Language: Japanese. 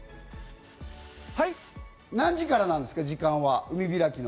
何時からですか？